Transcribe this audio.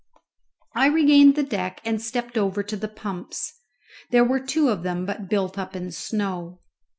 I regained the deck and stepped over to the pumps. There were two of them, but built up in snow.